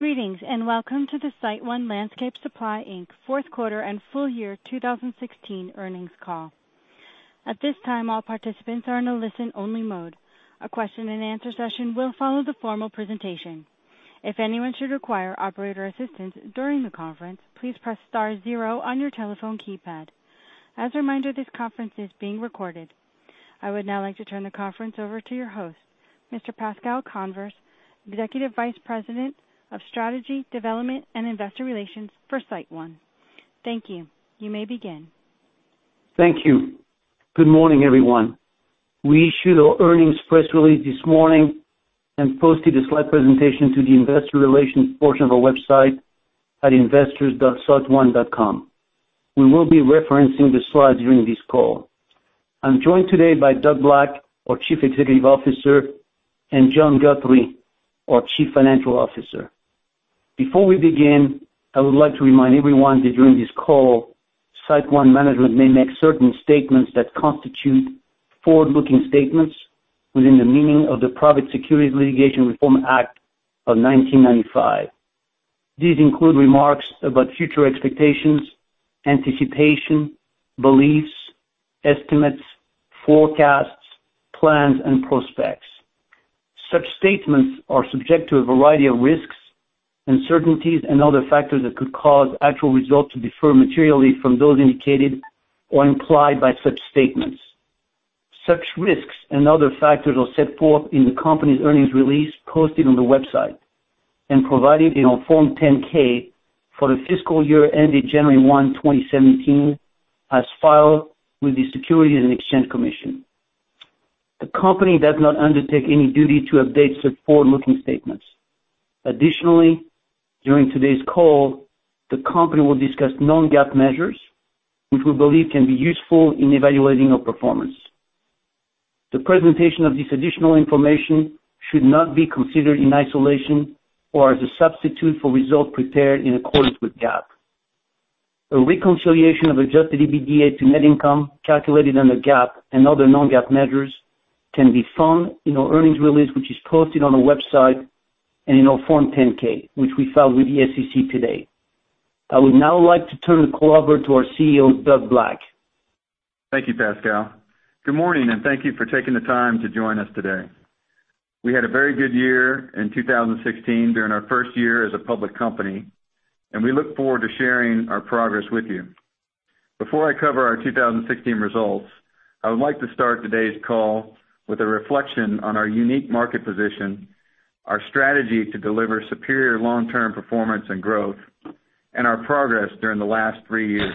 Greetings, and welcome to the SiteOne Landscape Supply, Inc. fourth quarter and full year 2016 earnings call. At this time, all participants are in a listen-only mode. A question and answer session will follow the formal presentation. If anyone should require operator assistance during the conference, please press star zero on your telephone keypad. As a reminder, this conference is being recorded. I would now like to turn the conference over to your host, Mr. Pascal Convers, Executive Vice President of Strategy, Development and Investor Relations for SiteOne. Thank you. You may begin. Thank you. Good morning, everyone. We issued our earnings press release this morning and posted a slide presentation to the investor relations portion of our website at investors.siteone.com. We will be referencing the slides during this call. I'm joined today by Doug Black, our Chief Executive Officer, and John Guthrie, our Chief Financial Officer. Before we begin, I would like to remind everyone that during this call, SiteOne management may make certain statements that constitute forward-looking statements within the meaning of the Private Securities Litigation Reform Act of 1995. These include remarks about future expectations, anticipation, beliefs, estimates, forecasts, plans, and prospects. Such statements are subject to a variety of risks, uncertainties, and other factors that could cause actual results to differ materially from those indicated or implied by such statements. Such risks and other factors are set forth in the company's earnings release posted on the website and provided in our Form 10-K for the fiscal year ended January 1, 2017, as filed with the Securities and Exchange Commission. The company does not undertake any duty to update such forward-looking statements. Additionally, during today's call, the company will discuss non-GAAP measures, which we believe can be useful in evaluating our performance. The presentation of this additional information should not be considered in isolation or as a substitute for results prepared in accordance with GAAP. A reconciliation of adjusted EBITDA to net income calculated under GAAP and other non-GAAP measures can be found in our earnings release, which is posted on the website and in our Form 10-K, which we filed with the SEC today. I would now like to turn the call over to our CEO, Doug Black. Thank you, Pascal. Good morning, and thank you for taking the time to join us today. We had a very good year in 2016 during our first year as a public company, and we look forward to sharing our progress with you. Before I cover our 2016 results, I would like to start today's call with a reflection on our unique market position, our strategy to deliver superior long-term performance and growth, and our progress during the last three years.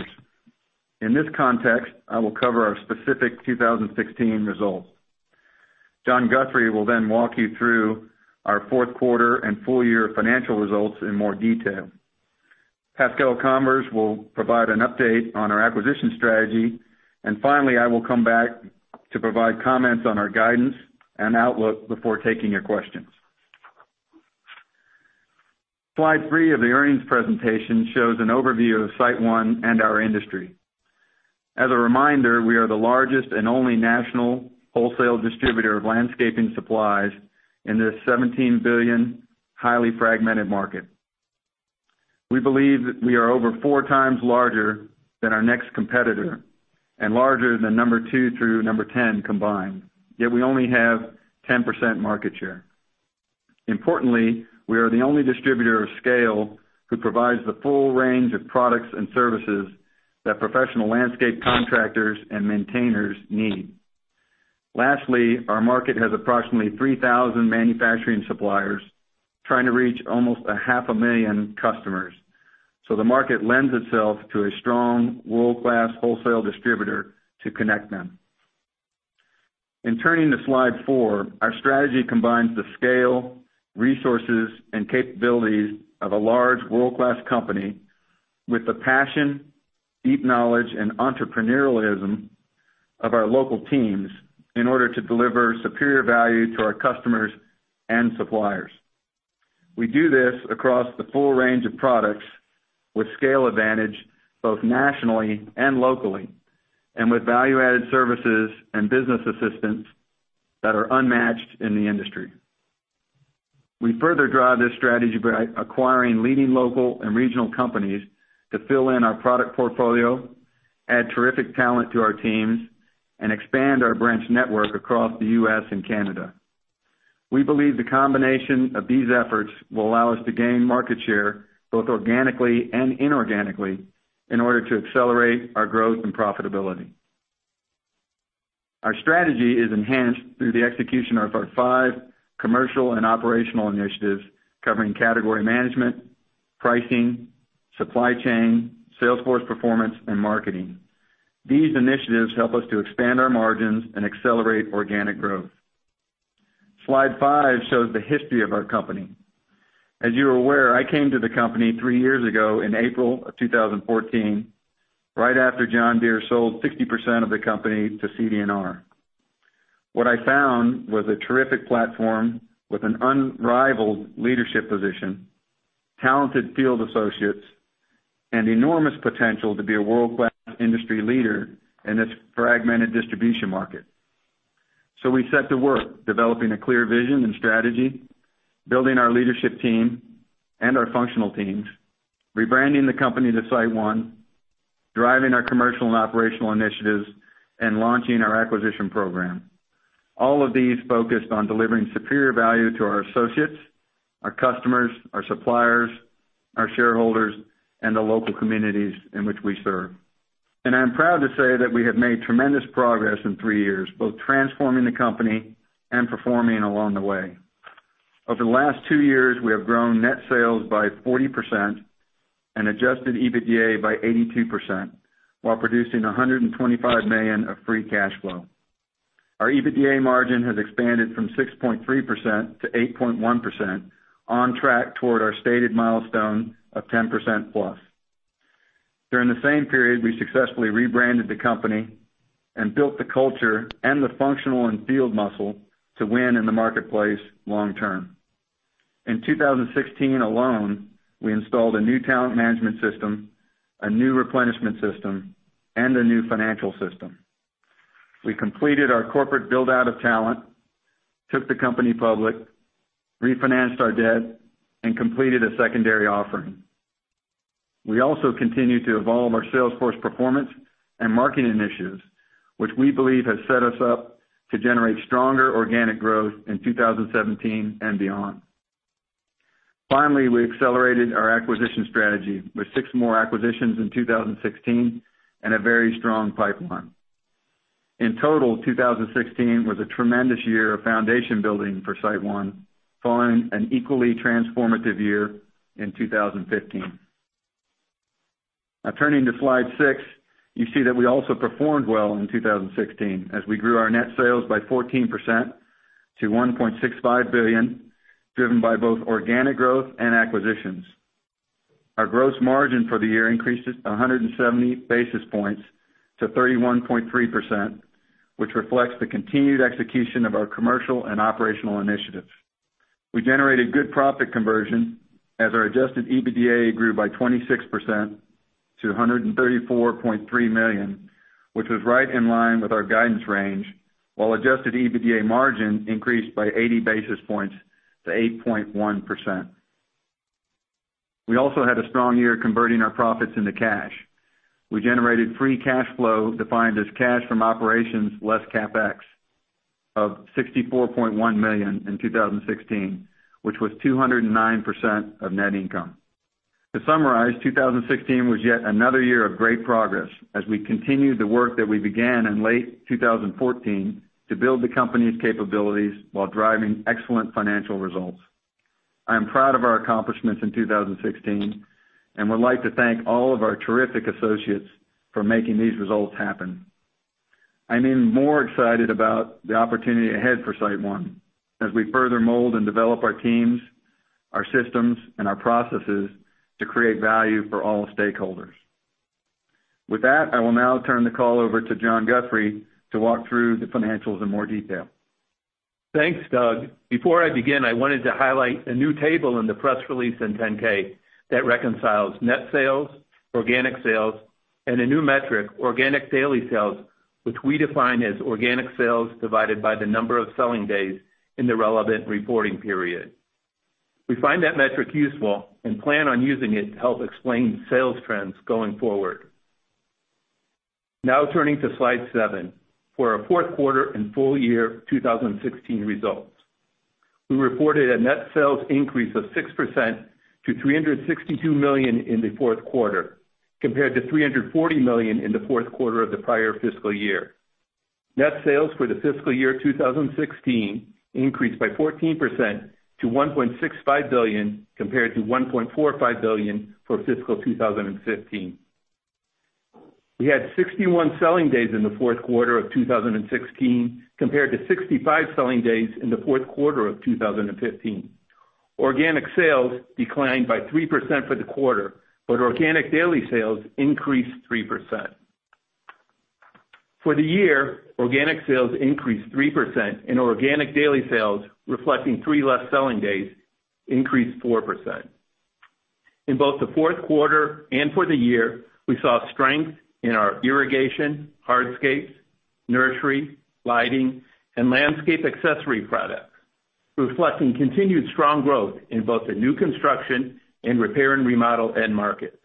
In this context, I will cover our specific 2016 results. John Guthrie will then walk you through our fourth quarter and full year financial results in more detail. Pascal Convers will provide an update on our acquisition strategy, and finally, I will come back to provide comments on our guidance and outlook before taking your questions. Slide three of the earnings presentation shows an overview of SiteOne and our industry. As a reminder, we are the largest and only national wholesale distributor of landscape supplies in this $17 billion highly fragmented market. We believe that we are over 4 times larger than our next competitor and larger than number 2 through number 10 combined, yet we only have 10% market share. Importantly, we are the only distributor of scale who provides the full range of products and services that professional landscape contractors and maintainers need. Lastly, our market has approximately 3,000 manufacturing suppliers trying to reach almost a half a million customers. The market lends itself to a strong world-class wholesale distributor to connect them. In turning to slide four, our strategy combines the scale, resources, and capabilities of a large world-class company with the passion, deep knowledge, and entrepreneurialism of our local teams in order to deliver superior value to our customers and suppliers. We do this across the full range of products with scale advantage, both nationally and locally, and with value-added services and business assistance that are unmatched in the industry. We further drive this strategy by acquiring leading local and regional companies to fill in our product portfolio, add terrific talent to our teams, and expand our branch network across the U.S. and Canada. We believe the combination of these efforts will allow us to gain market share, both organically and inorganically, in order to accelerate our growth and profitability. Our strategy is enhanced through the execution of our five commercial and operational initiatives covering category management, pricing, supply chain, sales force performance, and marketing. These initiatives help us to expand our margins and accelerate organic growth. Slide five shows the history of our company. As you are aware, I came to the company three years ago in April of 2014, right after John Deere sold 60% of the company to CD&R. What I found was a terrific platform with an unrivaled leadership position, talented field associates, and enormous potential to be a world-class industry leader in this fragmented distribution market. We set to work developing a clear vision and strategy, building our leadership team and our functional teams, rebranding the company to SiteOne, driving our commercial and operational initiatives, and launching our acquisition program. All of these focused on delivering superior value to our associates, our customers, our suppliers, our shareholders, and the local communities in which we serve. I'm proud to say that we have made tremendous progress in three years, both transforming the company and performing along the way. Over the last two years, we have grown net sales by 40% and adjusted EBITDA by 82%, while producing $125 million of free cash flow. Our EBITDA margin has expanded from 6.3%-8.1%, on track toward our stated milestone of 10%+. During the same period, we successfully rebranded the company and built the culture and the functional and field muscle to win in the marketplace long term. In 2016 alone, we installed a new talent management system, a new replenishment system, and a new financial system. We completed our corporate build-out of talent, took the company public, refinanced our debt, and completed a secondary offering. We also continued to evolve our sales force performance and marketing initiatives, which we believe has set us up to generate stronger organic growth in 2017 and beyond. Finally, we accelerated our acquisition strategy with six more acquisitions in 2016 and a very strong pipeline. In total, 2016 was a tremendous year of foundation building for SiteOne, following an equally transformative year in 2015. Now turning to slide six, you see that we also performed well in 2016 as we grew our net sales by 14% to $1.65 billion, driven by both organic growth and acquisitions. Our gross margin for the year increased 170 basis points to 31.3%, which reflects the continued execution of our commercial and operational initiatives. We generated good profit conversion as our adjusted EBITDA grew by 26% to $134.3 million, which was right in line with our guidance range, while adjusted EBITDA margin increased by 80 basis points to 8.1%. We also had a strong year converting our profits into cash. We generated free cash flow defined as cash from operations less CapEx of $64.1 million in 2016, which was 209% of net income. To summarize, 2016 was yet another year of great progress as we continued the work that we began in late 2014 to build the company's capabilities while driving excellent financial results. I am proud of our accomplishments in 2016 and would like to thank all of our terrific associates for making these results happen. I am even more excited about the opportunity ahead for SiteOne as we further mold and develop our teams, our systems, and our processes to create value for all stakeholders. With that, I will now turn the call over to John Guthrie to walk through the financials in more detail. Thanks, Doug. Before I begin, I wanted to highlight a new table in the press release and 10-K that reconciles net sales, organic sales, and a new metric, organic daily sales, which we define as organic sales divided by the number of selling days in the relevant reporting period. We find that metric useful and plan on using it to help explain sales trends going forward. Now turning to slide seven for our fourth quarter and full year 2016 results. We reported a net sales increase of 6% to $362 million in the fourth quarter, compared to $340 million in the fourth quarter of the prior fiscal year. Net sales for the fiscal year 2016 increased by 14% to $1.65 billion, compared to $1.45 billion for fiscal 2015. We had 61 selling days in the fourth quarter of 2016, compared to 65 selling days in the fourth quarter of 2015. Organic sales declined by 3% for the quarter, but organic daily sales increased 3%. For the year, organic sales increased 3%, and organic daily sales, reflecting three less selling days, increased 4%. In both the fourth quarter and for the year, we saw strength in our irrigation, hardscapes, nursery, lighting, and landscape accessory products, reflecting continued strong growth in both the new construction and repair and remodel end markets.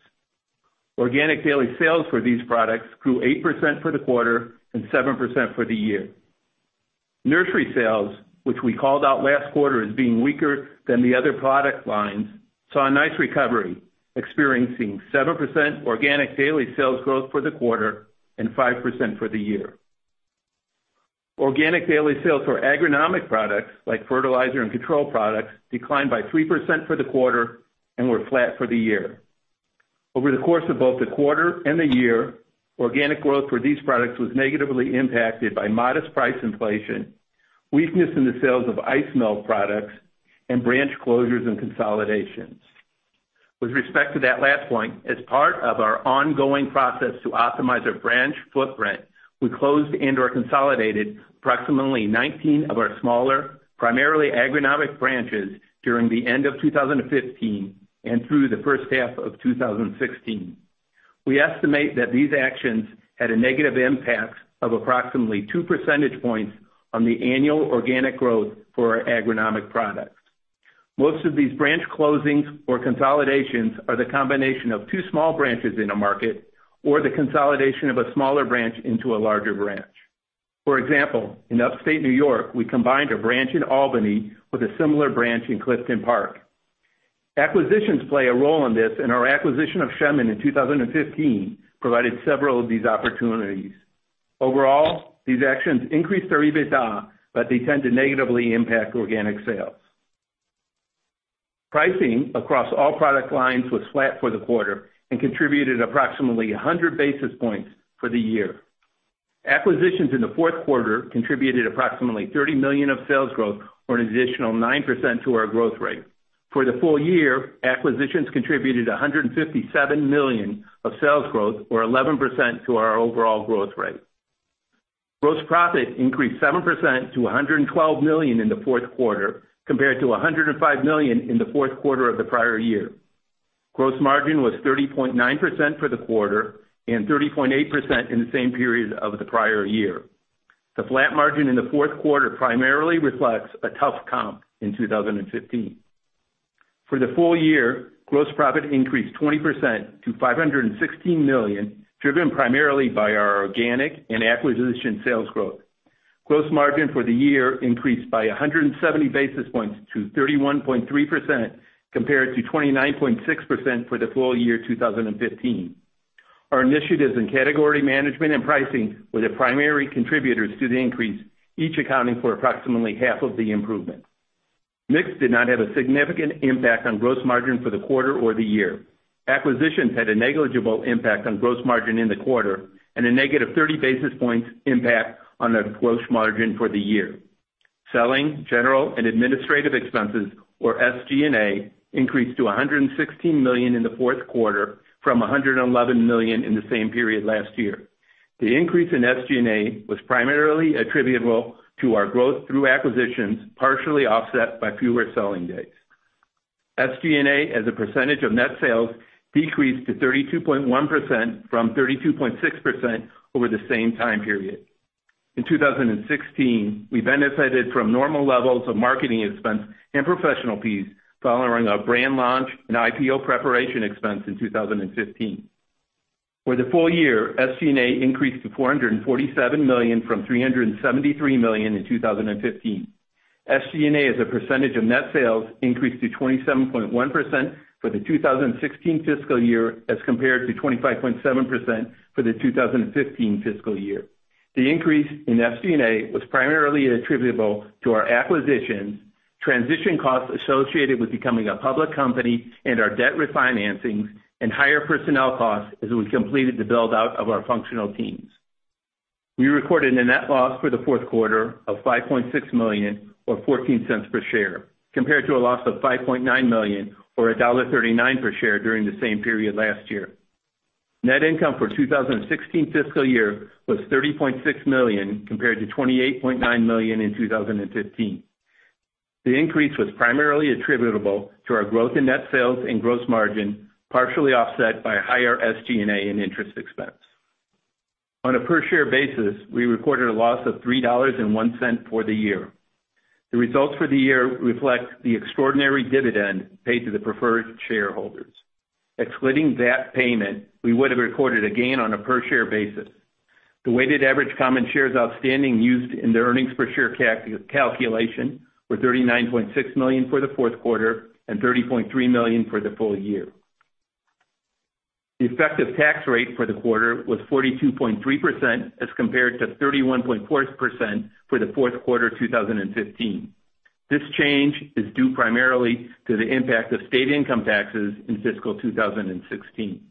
Organic daily sales for these products grew 8% for the quarter and 7% for the year. Nursery sales, which we called out last quarter as being weaker than the other product lines, saw a nice recovery, experiencing 7% organic daily sales growth for the quarter and 5% for the year. Organic daily sales for agronomic products, like fertilizer and control products, declined by 3% for the quarter and were flat for the year. Over the course of both the quarter and the year, organic growth for these products was negatively impacted by modest price inflation, weakness in the sales of ice melt products, and branch closures and consolidations. With respect to that last point, as part of our ongoing process to optimize our branch footprint, we closed and/or consolidated approximately 19 of our smaller, primarily agronomic branches during the end of 2015 and through the first half of 2016. We estimate that these actions had a negative impact of approximately two percentage points on the annual organic growth for our agronomic products. Most of these branch closings or consolidations are the combination of two small branches in a market, or the consolidation of a smaller branch into a larger branch. For example, in Upstate New York, we combined a branch in Albany with a similar branch in Clifton Park. Acquisitions play a role in this, and our acquisition of Shemin in 2015 provided several of these opportunities. Overall, these actions increase our EBITDA, but they tend to negatively impact organic sales. Pricing across all product lines was flat for the quarter and contributed approximately 100 basis points for the year. Acquisitions in the fourth quarter contributed approximately $30 million of sales growth or an additional 9% to our growth rate. For the full year, acquisitions contributed $157 million of sales growth or 11% to our overall growth rate. Gross profit increased 7% to $112 million in the fourth quarter, compared to $105 million in the fourth quarter of the prior year. Gross margin was 30.9% for the quarter and 30.8% in the same period of the prior year. The flat margin in the fourth quarter primarily reflects a tough comp in 2015. For the full year, gross profit increased 20% to $516 million, driven primarily by our organic and acquisition sales growth. Gross margin for the year increased by 170 basis points to 31.3%, compared to 29.6% for the full year 2015. Our initiatives in category management and pricing were the primary contributors to the increase, each accounting for approximately half of the improvement. Mix did not have a significant impact on gross margin for the quarter or the year. Acquisitions had a negligible impact on gross margin in the quarter and a negative 30 basis points impact on the gross margin for the year. Selling, general, and administrative expenses, or SG&A, increased to $116 million in the fourth quarter from $111 million in the same period last year. The increase in SG&A was primarily attributable to our growth through acquisitions, partially offset by fewer selling days. SG&A as a percentage of net sales decreased to 32.1% from 32.6% over the same time period. In 2016, we benefited from normal levels of marketing expense and professional fees following our brand launch and IPO preparation expense in 2015. For the full year, SG&A increased to $447 million from $373 million in 2015. SG&A as a percentage of net sales increased to 27.1% for the 2016 fiscal year, as compared to 25.7% for the 2015 fiscal year. The increase in SG&A was primarily attributable to our acquisitions, transition costs associated with becoming a public company, and our debt refinancing, and higher personnel costs as we completed the build-out of our functional teams. We recorded a net loss for the fourth quarter of $5.6 million or $0.14 per share, compared to a loss of $5.9 million or $1.39 per share during the same period last year. Net income for 2016 fiscal year was $30.6 million, compared to $28.9 million in 2015. The increase was primarily attributable to our growth in net sales and gross margin, partially offset by higher SG&A and interest expense. On a per-share basis, we recorded a loss of $3.01 for the year. The results for the year reflect the extraordinary dividend paid to the preferred shareholders. Excluding that payment, we would have recorded a gain on a per-share basis. The weighted average common shares outstanding used in the earnings per share calculation were 39.6 million for the fourth quarter and 30.3 million for the full year. The effective tax rate for the quarter was 42.3%, as compared to 31.4% for the fourth quarter 2015. This change is due primarily to the impact of state income taxes in fiscal 2016.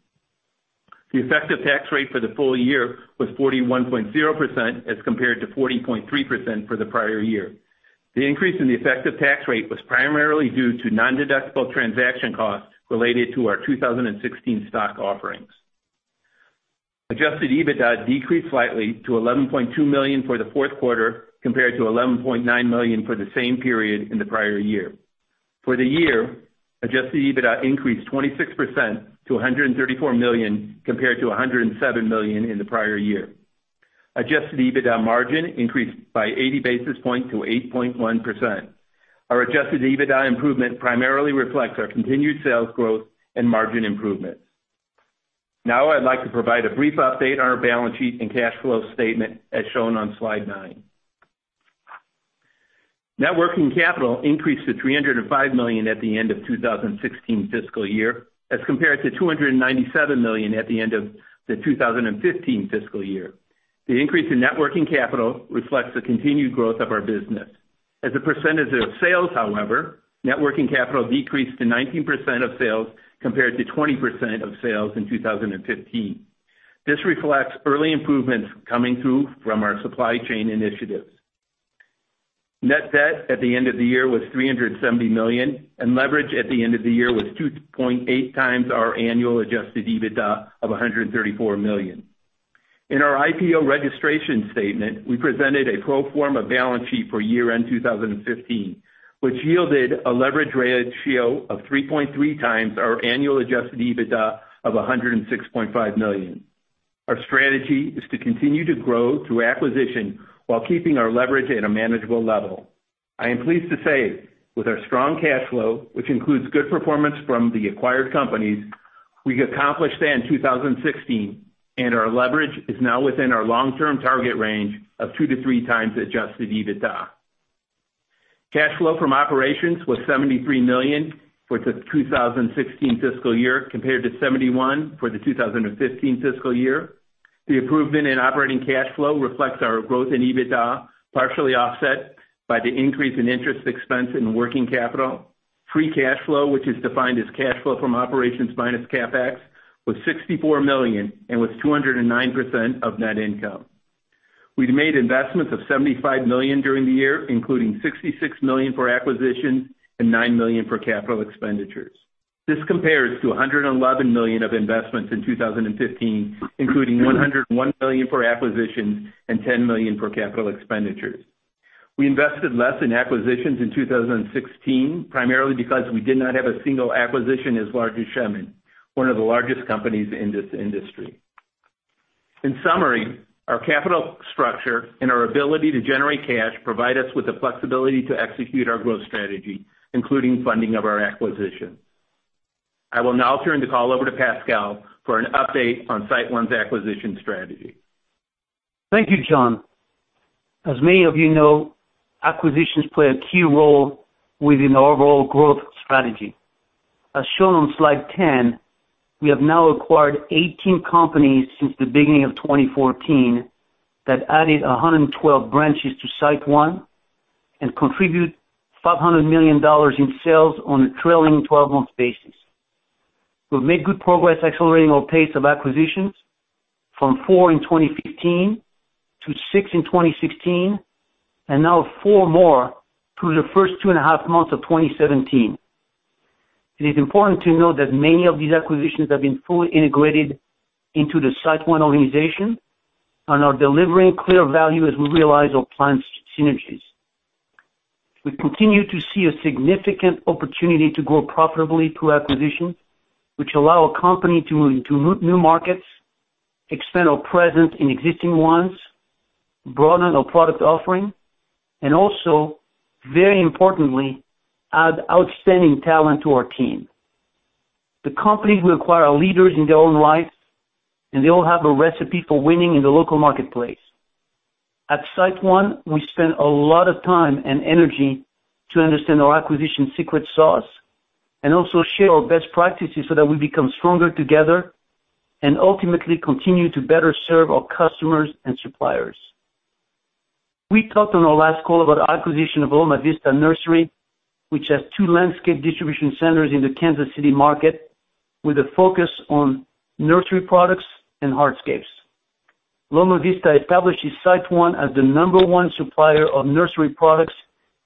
The effective tax rate for the full year was 41.0%, as compared to 40.3% for the prior year. The increase in the effective tax rate was primarily due to nondeductible transaction costs related to our 2016 stock offerings. Adjusted EBITDA decreased slightly to $11.2 million for the fourth quarter, compared to $11.9 million for the same period in the prior year. For the year, Adjusted EBITDA increased 26% to $134 million, compared to $107 million in the prior year. Adjusted EBITDA margin increased by 80 basis points to 8.1%. Our Adjusted EBITDA improvement primarily reflects our continued sales growth and margin improvements. Now I'd like to provide a brief update on our balance sheet and cash flow statement as shown on slide nine. Net working capital increased to $305 million at the end of 2016 fiscal year, as compared to $297 million at the end of the 2015 fiscal year. The increase in net working capital reflects the continued growth of our business. As a percentage of sales, however, net working capital decreased to 19% of sales, compared to 20% of sales in 2015. This reflects early improvements coming through from our supply chain initiatives. Net debt at the end of the year was $370 million, and leverage at the end of the year was 2.8 times our annual Adjusted EBITDA of $134 million. In our IPO registration statement, we presented a pro forma balance sheet for year-end 2015, which yielded a leverage ratio of 3.3 times our annual Adjusted EBITDA of $106.5 million. Our strategy is to continue to grow through acquisition while keeping our leverage at a manageable level. I am pleased to say, with our strong cash flow, which includes good performance from the acquired companies, we accomplished that in 2016, and our leverage is now within our long-term target range of two to three times Adjusted EBITDA. Cash flow from operations was $73 million for the 2016 fiscal year compared to $71 million for the 2015 fiscal year. The improvement in operating cash flow reflects our growth in EBITDA, partially offset by the increase in interest expense and working capital. Free cash flow, which is defined as cash flow from operations minus CapEx, was $64 million and was 209% of net income. We've made investments of $75 million during the year, including $66 million for acquisitions and $9 million for Capital Expenditures. This compares to $111 million of investments in 2015, including $101 million for acquisitions and $10 million for Capital Expenditures. We invested less in acquisitions in 2016, primarily because we did not have a single acquisition as large as Shemin, one of the largest companies in this industry. In summary, our capital structure and our ability to generate cash provide us with the flexibility to execute our growth strategy, including funding of our acquisitions. I will now turn the call over to Pascal for an update on SiteOne's acquisition strategy. Thank you, John. As many of you know, acquisitions play a key role within our overall growth strategy. As shown on slide 10, we have now acquired 18 companies since the beginning of 2014 that added 112 branches to SiteOne and contribute $500 million in sales on a trailing 12-month basis. We've made good progress accelerating our pace of acquisitions from four in 2015 to six in 2016, and now four more through the first two and a half months of 2017. It is important to note that many of these acquisitions have been fully integrated into the SiteOne organization and are delivering clear value as we realize our planned synergies. We continue to see a significant opportunity to grow profitably through acquisitions, which allow a company to move into new markets, expand our presence in existing ones, broaden our product offering, and also, very importantly, add outstanding talent to our team. The companies we acquire are leaders in their own right, and they all have a recipe for winning in the local marketplace. At SiteOne, we spend a lot of time and energy to understand our acquisition secret sauce and also share our best practices so that we become stronger together and ultimately continue to better serve our customers and suppliers. We talked on our last call about acquisition of Loma Vista Nursery, which has two landscape distribution centers in the Kansas City market with a focus on nursery products and hardscapes. Loma Vista establishes SiteOne as the number one supplier of nursery products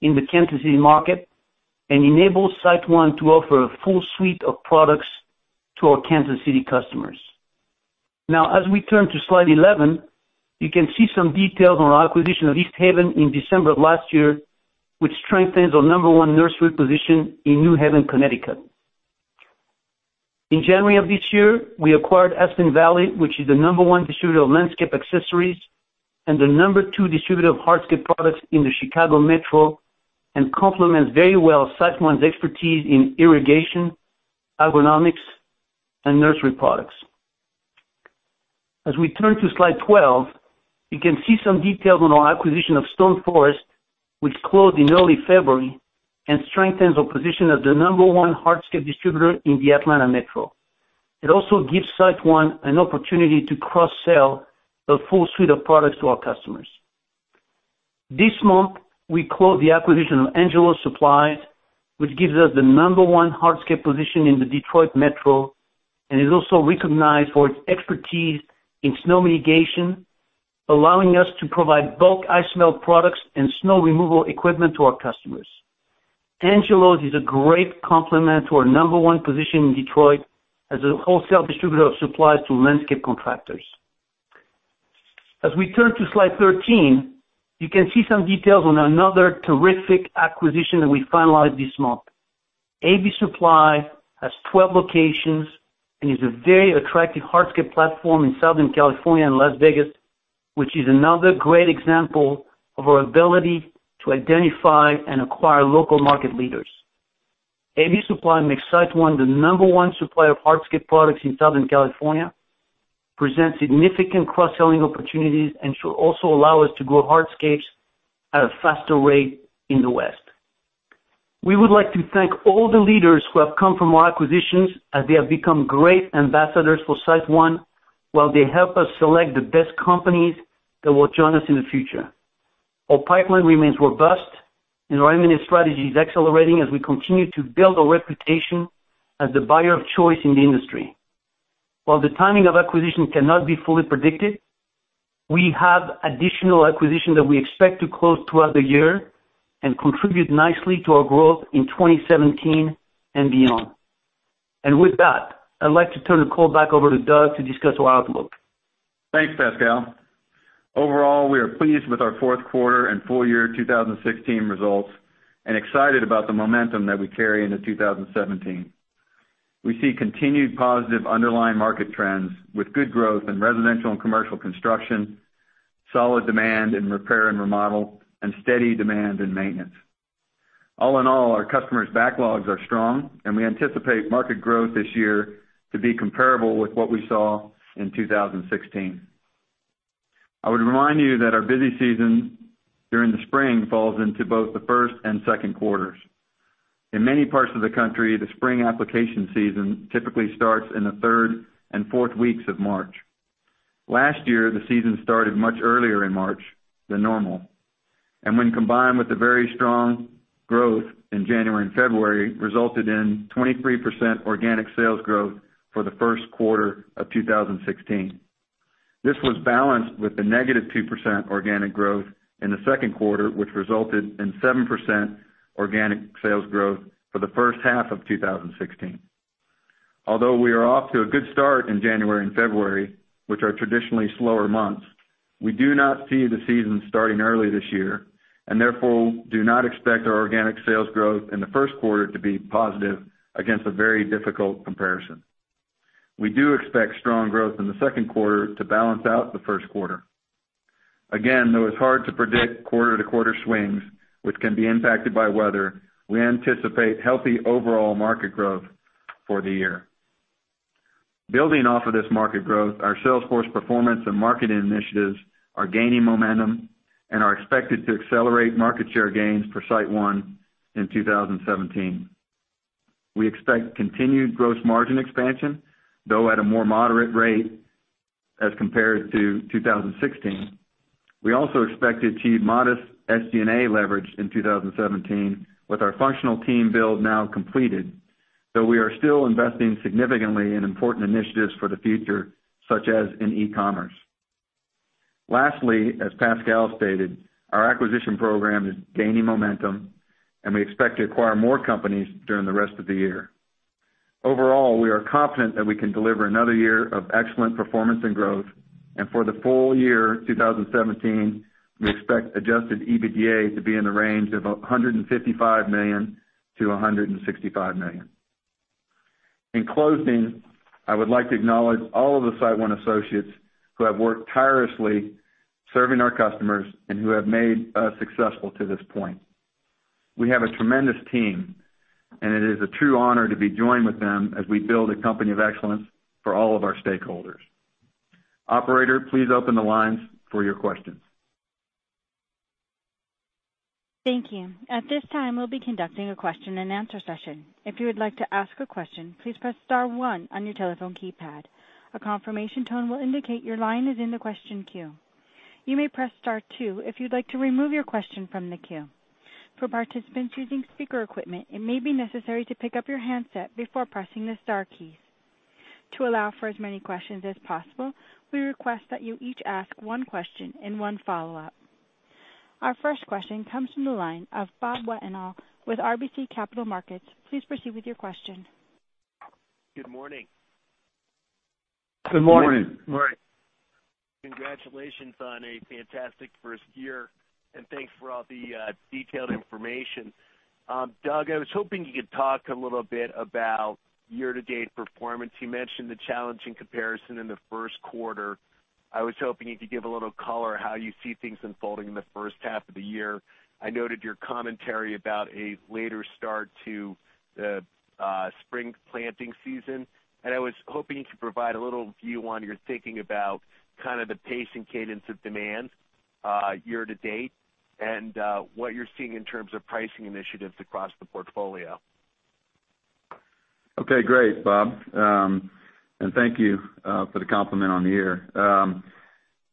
in the Kansas City market and enables SiteOne to offer a full suite of products to our Kansas City customers. As we turn to slide 11, you can see some details on our acquisition of East Haven in December of last year, which strengthens our number one nursery position in New Haven, Connecticut. In January of this year, we acquired Aspen Valley, which is the number one distributor of landscape accessories and the number two distributor of hardscape products in the Chicago Metro and complements very well SiteOne's expertise in irrigation, agronomics, and nursery products. As we turn to slide 12, you can see some details on our acquisition of Stone Forest, which closed in early February and strengthens our position as the number one hardscape distributor in the Atlanta Metro. It also gives SiteOne an opportunity to cross-sell a full suite of products to our customers. This month, we closed the acquisition of Angelo's Supplies, which gives us the number one hardscape position in the Detroit Metro and is also recognized for its expertise in snow mitigation, allowing us to provide bulk ice melt products and snow removal equipment to our customers. Angelo's is a great complement to our number one position in Detroit as a wholesale distributor of supplies to landscape contractors. As we turn to slide 13, you can see some details on another terrific acquisition that we finalized this month. AB Supply has 12 locations and is a very attractive hardscape platform in Southern California and Las Vegas, which is another great example of our ability to identify and acquire local market leaders. AB Supply makes SiteOne the number one supplier of hardscape products in Southern California, presents significant cross-selling opportunities, and should also allow us to grow hardscapes at a faster rate in the West. We would like to thank all the leaders who have come from our acquisitions, as they have become great ambassadors for SiteOne while they help us select the best companies that will join us in the future. Our pipeline remains robust, and our M&A strategy is accelerating as we continue to build a reputation as the buyer of choice in the industry. While the timing of acquisition cannot be fully predicted, we have additional acquisitions that we expect to close throughout the year and contribute nicely to our growth in 2017 and beyond. With that, I'd like to turn the call back over to Doug to discuss our outlook. Thanks, Pascal. Overall, we are pleased with our fourth quarter and full year 2016 results, and excited about the momentum that we carry into 2017. We see continued positive underlying market trends with good growth in residential and commercial construction, solid demand in repair and remodel, and steady demand in maintenance. All in all, our customers' backlogs are strong, and we anticipate market growth this year to be comparable with what we saw in 2016. I would remind you that our busy season during the spring falls into both the first and second quarters. In many parts of the country, the spring application season typically starts in the third and fourth weeks of March. Last year, the season started much earlier in March than normal, and when combined with the very strong growth in January and February, resulted in 23% organic sales growth for the first quarter of 2016. This was balanced with the -2% organic growth in the second quarter, which resulted in 7% organic sales growth for the first half of 2016. Although we are off to a good start in January and February, which are traditionally slower months, we do not see the season starting early this year and therefore do not expect our organic sales growth in the first quarter to be positive against a very difficult comparison. We do expect strong growth in the second quarter to balance out the first quarter. Again, though it's hard to predict quarter-to-quarter swings, which can be impacted by weather, we anticipate healthy overall market growth for the year. Building off of this market growth, our sales force performance and marketing initiatives are gaining momentum and are expected to accelerate market share gains for SiteOne in 2017. We expect continued gross margin expansion, though at a more moderate rate as compared to 2016. We also expect to achieve modest SG&A leverage in 2017 with our functional team build now completed, though we are still investing significantly in important initiatives for the future, such as in e-commerce. Lastly, as Pascal stated, our acquisition program is gaining momentum and we expect to acquire more companies during the rest of the year. Overall, we are confident that we can deliver another year of excellent performance and growth. For the full year 2017, we expect adjusted EBITDA to be in the range of $155 million to $165 million. In closing, I would like to acknowledge all of the SiteOne associates who have worked tirelessly serving our customers and who have made us successful to this point. We have a tremendous team, and it is a true honor to be joined with them as we build a company of excellence for all of our stakeholders. Operator, please open the lines for your questions. Thank you. At this time, we will be conducting a question and answer session. If you would like to ask a question, please press *1 on your telephone keypad. A confirmation tone will indicate your line is in the question queue. You may press *2 if you would like to remove your question from the queue. For participants using speaker equipment, it may be necessary to pick up your handset before pressing the star keys. To allow for as many questions as possible, we request that you each ask one question and one follow-up. Our first question comes from the line of Bob Wetenhall with RBC Capital Markets. Please proceed with your question. Good morning. Good morning. Morning. Congratulations on a fantastic 1st year, thanks for all the detailed information. Doug, I was hoping you could talk a little bit about year-to-date performance. You mentioned the challenging comparison in the 1st quarter. I was hoping you could give a little color how you see things unfolding in the 1st half of the year. I noted your commentary about a later start to the spring planting season, and I was hoping you could provide a little view on your thinking about kind of the pace and cadence of demand year-to-date and what you're seeing in terms of pricing initiatives across the portfolio. Great, Bob, thank you for the compliment on the year.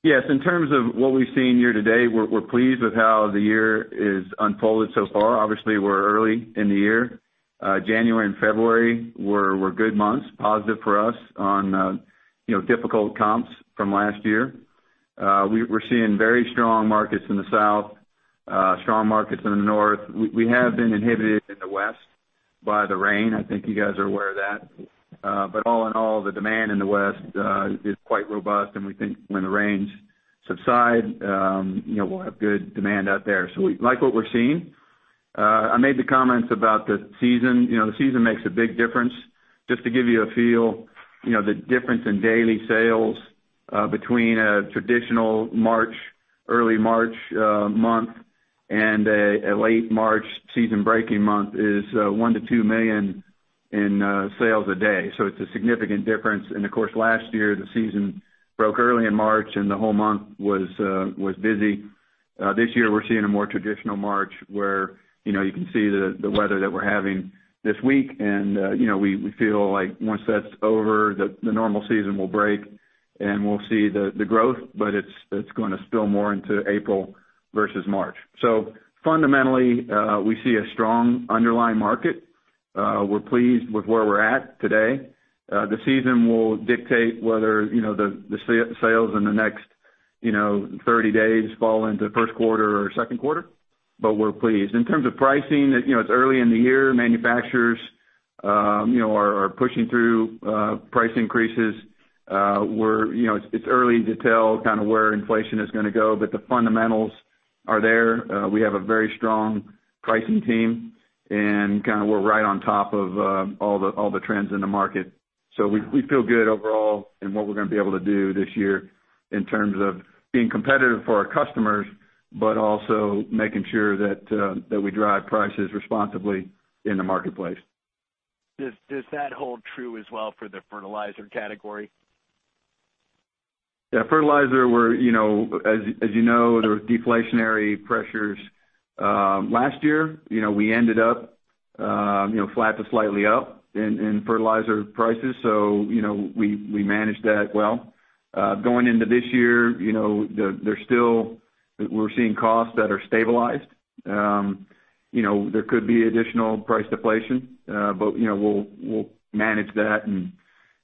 Yes, in terms of what we've seen year-to-date, we're pleased with how the year is unfolded so far. Obviously, we're early in the year. January and February were good months, positive for us on, you know, difficult comps from last year. We're seeing very strong markets in the South, strong markets in the North. We have been inhibited in the West by the rain. I think you guys are aware of that. All in all, the demand in the West is quite robust, and we think when the rains subside, you know, we'll have good demand out there. We like what we're seeing. I made the comments about the season. You know, the season makes a big difference. Just to give you a feel, you know, the difference in daily sales between a traditional March, early March, month, and a late March season breaking month is $1 million-$2 million in sales a day. It's a significant difference. Of course, last year, the season broke early in March and the whole month was busy. This year we're seeing a more traditional March where, you know, you can see the weather that we're having this week, and, you know, we feel like once that's over, the normal season will break and we'll see the growth, but it's gonna spill more into April versus March. Fundamentally, we see a strong underlying market. We're pleased with where we're at today. The season will dictate whether, you know, the sales in the next 30 days fall into first quarter or second quarter. We're pleased. In terms of pricing, it's early in the year. Manufacturers are pushing through price increases. It's early to tell where inflation is going to go. The fundamentals are there. We have a very strong pricing team. We're right on top of all the trends in the market. We feel good overall in what we're going to be able to do this year in terms of being competitive for our customers, but also making sure that we drive prices responsibly in the marketplace. Does that hold true as well for the fertilizer category? Yeah. Fertilizer, as you know, there was deflationary pressures last year. We ended up flat to slightly up in fertilizer prices. We managed that well. Going into this year, we're seeing costs that are stabilized. There could be additional price deflation. We'll manage that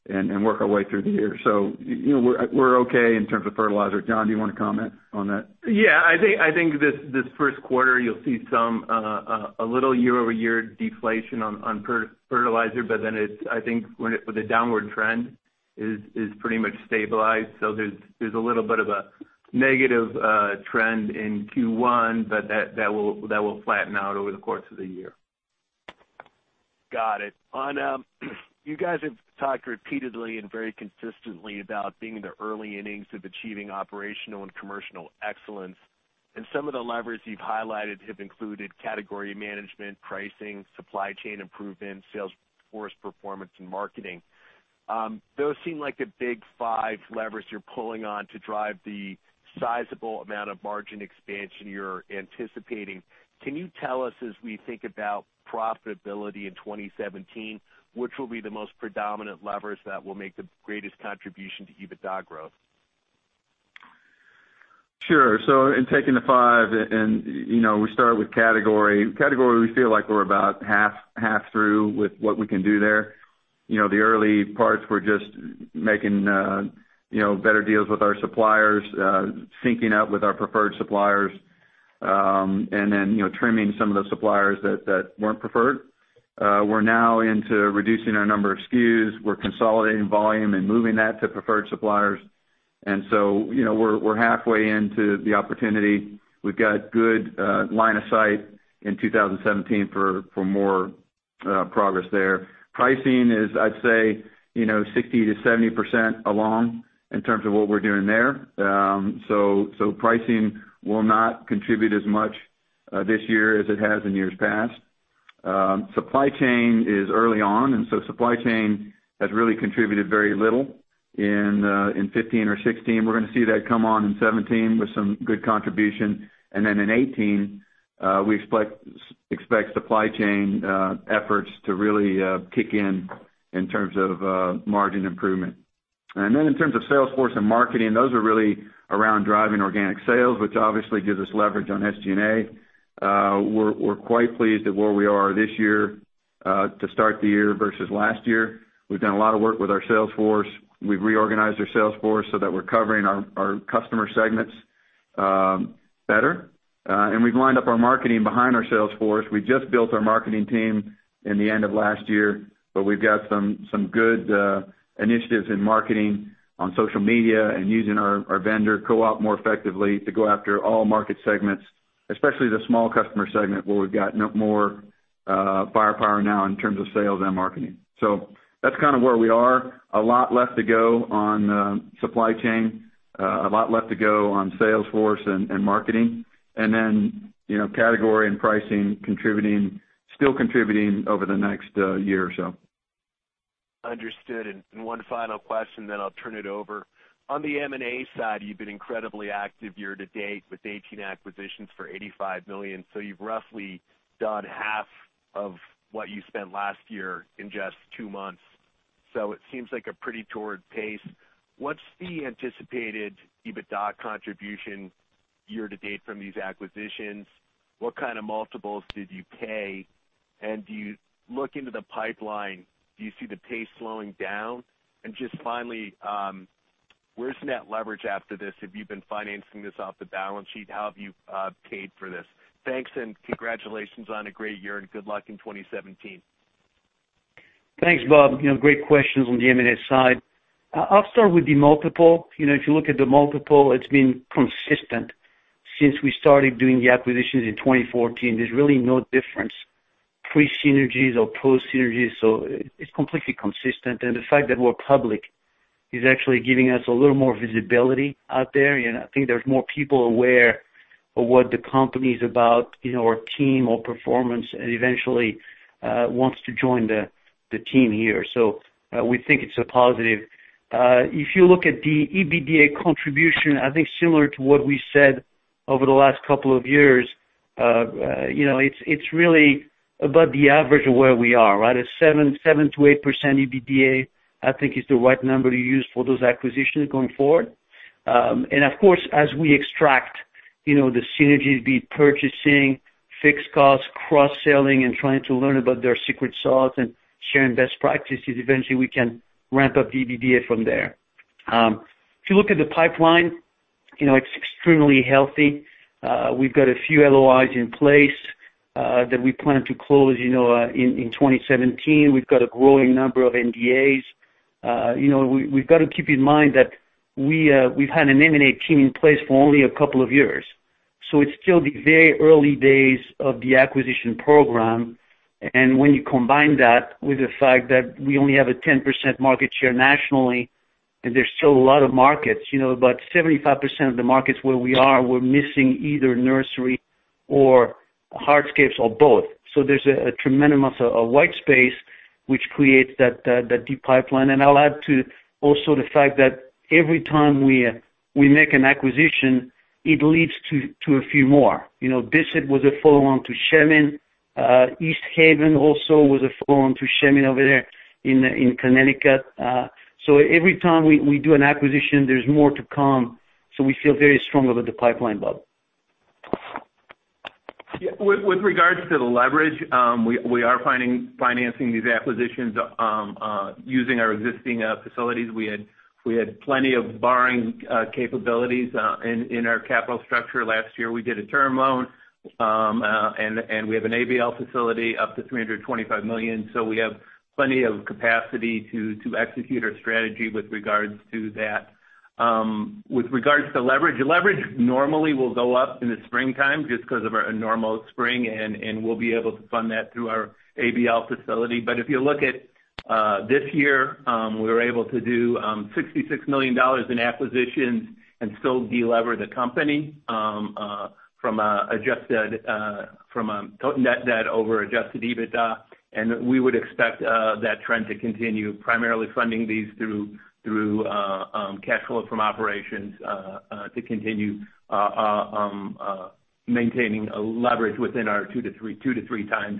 and work our way through the year. We're okay in terms of fertilizer. John, do you want to comment on that? Yeah. I think this first quarter, you'll see a little year-over-year deflation on fertilizer. I think the downward trend is pretty much stabilized. There's a little bit of a negative trend in Q1, but that will flatten out over the course of the year. Got it. You guys have talked repeatedly and very consistently about being in the early innings of achieving operational and commercial excellence. Some of the levers you've highlighted have included category management, pricing, supply chain improvements, sales force performance, and marketing. Those seem like the big five levers you're pulling on to drive the sizable amount of margin expansion you're anticipating. Can you tell us, as we think about profitability in 2017, which will be the most predominant levers that will make the greatest contribution to EBITDA growth? Sure. In taking the five, we start with category. Category, we feel like we're about half through with what we can do there. The early parts were just making better deals with our suppliers, syncing up with our preferred suppliers, and then trimming some of the suppliers that weren't preferred. We're now into reducing our number of SKUs. We're consolidating volume and moving that to preferred suppliers. We're halfway into the opportunity. We've got good line of sight in 2017 for more progress there. Pricing is, I'd say, 60%-70% along in terms of what we're doing there. Pricing will not contribute as much this year as it has in years past. Supply chain is early on, supply chain has really contributed very little in 2015 or 2016. We're going to see that come on in 2017 with some good contribution. In 2018, we expect supply chain efforts to really kick in terms of margin improvement. In terms of sales force and marketing, those are really around driving organic sales, which obviously gives us leverage on SG&A. We're quite pleased at where we are this year to start the year versus last year. We've done a lot of work with our sales force. We've reorganized our sales force so that we're covering our customer segments better. We've lined up our marketing behind our sales force. We just built our marketing team in the end of last year, we've got some good initiatives in marketing on social media and using our vendor co-op more effectively to go after all market segments, especially the small customer segment, where we've got more firepower now in terms of sales and marketing. That's kind of where we are. A lot left to go on supply chain, a lot left to go on sales force and marketing. Category and pricing still contributing over the next year or so. One final question, then I'll turn it over. On the M&A side, you've been incredibly active year to date with 18 acquisitions for $85 million. You've roughly done half of what you spent last year in just two months. It seems like a pretty torrid pace. What's the anticipated EBITDA contribution year to date from these acquisitions? What kind of multiples did you pay? Looking into the pipeline, do you see the pace slowing down? Just finally, where's net leverage after this? Have you been financing this off the balance sheet? How have you paid for this? Thanks. Congratulations on a great year, and good luck in 2017. Thanks, Bob. Great questions on the M&A side. I'll start with the multiple. If you look at the multiple, it's been consistent since we started doing the acquisitions in 2014. There's really no difference, pre-synergies or post-synergies. It's completely consistent. The fact that we're public is actually giving us a little more visibility out there. I think there's more people aware of what the company's about, our team, our performance, and eventually wants to join the team here. We think it's a positive. If you look at the EBITDA contribution, I think similar to what we said over the last two years, it's really about the average of where we are, right? At 7%-8% EBITDA, I think is the right number to use for those acquisitions going forward. Of course, as we extract The synergies be purchasing fixed costs, cross-selling, and trying to learn about their secret sauce and sharing best practices. Eventually, we can ramp up EBITDA from there. If you look at the pipeline, it's extremely healthy. We've got a few LOIs in place that we plan to close in 2017. We've got a growing number of NDAs. We've got to keep in mind that we've had an M&A team in place for only two years. It's still the very early days of the acquisition program, and when you combine that with the fact that we only have a 10% market share nationally. There's still a lot of markets. About 75% of the markets where we are, we're missing either nursery or hardscapes or both. There's a tremendous amount of white space which creates that deep pipeline. I'll add to also the fact that every time we make an acquisition, it leads to a few more. Bissett was a follow-on to Shemin. East Haven also was a follow-on to Shemin over there in Connecticut. Every time we do an acquisition, there's more to come. We feel very strongly about the pipeline, Bob. With regards to the leverage, we are financing these acquisitions using our existing facilities. We had plenty of borrowing capabilities in our capital structure. Last year, we did a term loan, and we have an ABL facility up to $325 million. We have plenty of capacity to execute our strategy with regards to that. With regards to leverage normally will go up in the springtime just because of our normal spring, and we'll be able to fund that through our ABL facility. If you look at this year, we were able to do $66 million in acquisitions and still de-lever the company from a net debt over adjusted EBITDA. We would expect that trend to continue, primarily funding these through cash flow from operations to continue maintaining a leverage within our two to three times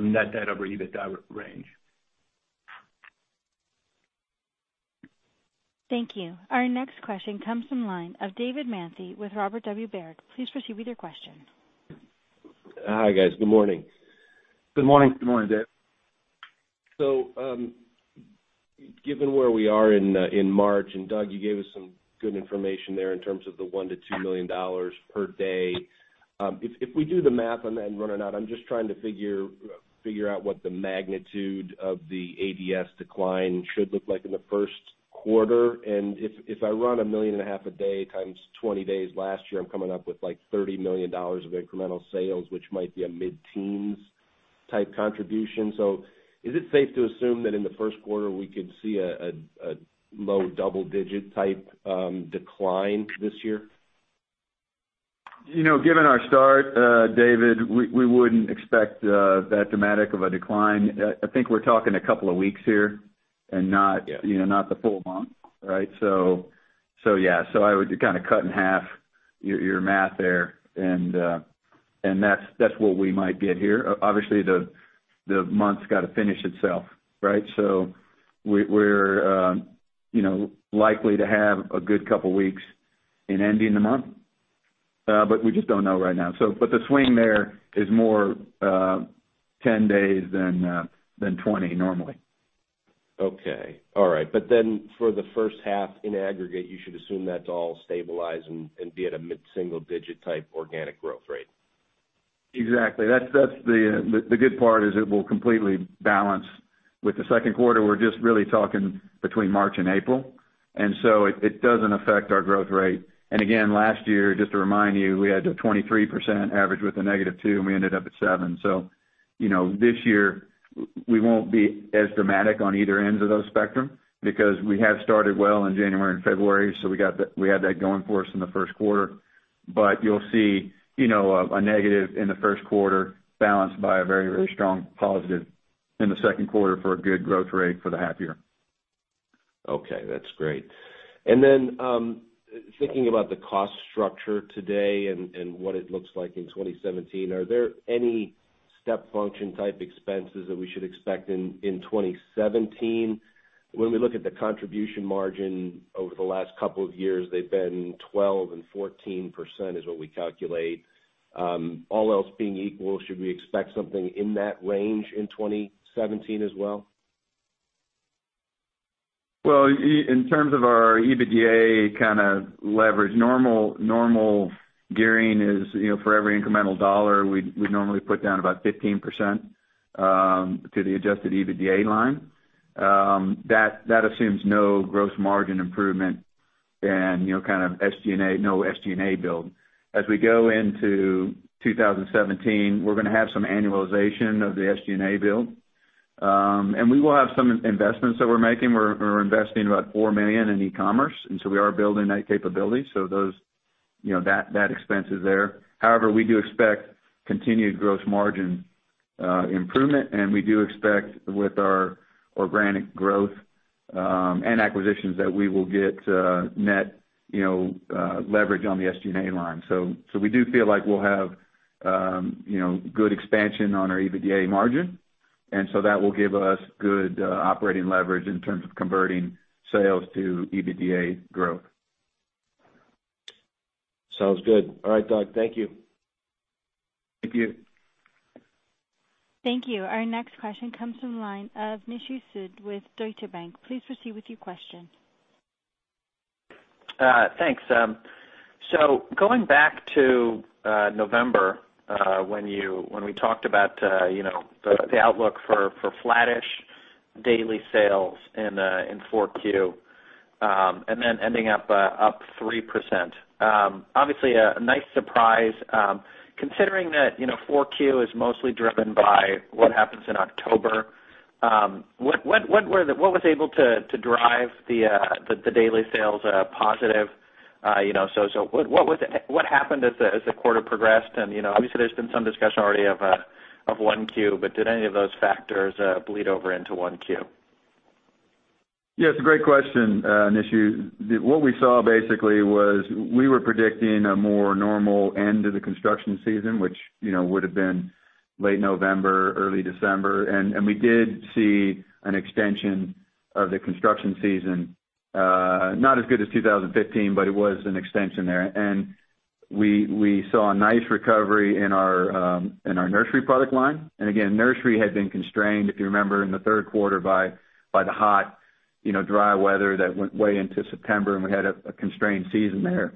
net debt over EBITDA range. Thank you. Our next question comes from line of David Manthey with Robert W. Baird. Please proceed with your question. Hi, guys. Good morning. Good morning. Good morning, Dave. Given where we are in March, and Doug, you gave us some good information there in terms of the $1 to $2 million per day. If we do the math on that and run it out, I'm just trying to figure out what the magnitude of the ADS decline should look like in the first quarter. If I run a million and a half a day times 20 days last year, I'm coming up with like $30 million of incremental sales, which might be a mid-teens type contribution. Is it safe to assume that in the first quarter, we could see a low double digit type decline this year? Given our start, David, we wouldn't expect that dramatic of a decline. I think we're talking a couple of weeks here and not the full month. I would kind of cut in half your math there, and that's what we might get here. Obviously, the month's got to finish itself. We're likely to have a good couple of weeks in ending the month. We just don't know right now. The swing there is more 10 days than 20, normally. Okay. All right. For the first half in aggregate, you should assume that to all stabilize and be at a mid-single digit type organic growth rate. Exactly. The good part is it will completely balance with the second quarter. We're just really talking between March and April. It doesn't affect our growth rate. Again, last year, just to remind you, we had the 23% average with the -2%, and we ended up at 7%. This year, we won't be as dramatic on either ends of the spectrum because we have started well in January and February, so we have that going for us in the first quarter. You'll see a negative in the first quarter balanced by a very strong positive in the second quarter for a good growth rate for the half-year. Okay, that's great. Then thinking about the cost structure today and what it looks like in 2017, are there any step function type expenses that we should expect in 2017? When we look at the contribution margin over the last couple of years, they've been 12% and 14% is what we calculate. All else being equal, should we expect something in that range in 2017 as well? Well, in terms of our EBITDA kind of leverage, normal gearing is for every incremental dollar, we'd normally put down about 15% to the adjusted EBITDA line. That assumes no gross margin improvement and no SG&A build. As we go into 2017, we're going to have some annualization of the SG&A build. We will have some investments that we're making. We're investing about $4 million in e-commerce. We are building that capability. That expense is there. However, we do expect continued gross margin improvement, and we do expect with our organic growth and acquisitions that we will get net leverage on the SG&A line. We do feel like we'll have good expansion on our EBITDA margin. That will give us good operating leverage in terms of converting sales to EBITDA growth. Sounds good. All right, Doug, thank you. Thank you. Thank you. Our next question comes from the line of Nishu Sood with Deutsche Bank. Please proceed with your question. Thanks. Going back to November, when we talked about the outlook for flattish daily sales in 4Q, and then ending up 3%. Obviously, a nice surprise, considering that 4Q is mostly driven by what happens in October. What was able to drive the daily sales positive? What happened as the quarter progressed? Obviously there's been some discussion already of 1Q, but did any of those factors bleed over into 1Q? Yeah, it's a great question, Nishu. What we saw basically was we were predicting a more normal end to the construction season, which would have been late November, early December, and we did see an extension of the construction season, not as good as 2015, but it was an extension there. We saw a nice recovery in our nursery product line. Again, nursery had been constrained, if you remember, in the third quarter by the hot, dry weather that went way into September, and we had a constrained season there.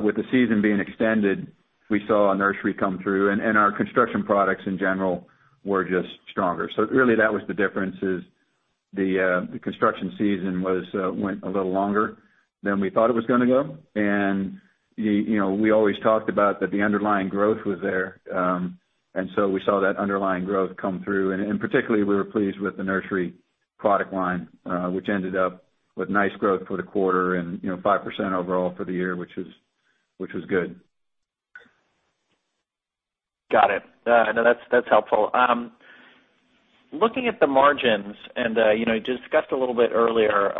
With the season being extended, we saw our nursery come through and our construction products in general were just stronger. Really that was the difference is the construction season went a little longer than we thought it was going to go, and we always talked about that the underlying growth was there. We saw that underlying growth come through. Particularly, we were pleased with the nursery product line, which ended up with nice growth for the quarter and 5% overall for the year, which was good. Got it. No, that's helpful. Looking at the margins, you discussed a little bit earlier,